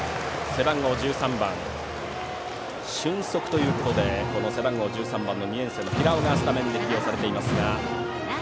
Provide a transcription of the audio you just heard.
背番号１３番、俊足ということで２年生の平尾がスタメンで起用されていますが。